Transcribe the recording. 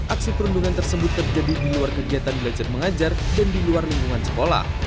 aksi perundungan tersebut terjadi di luar kegiatan belajar mengajar dan di luar lingkungan sekolah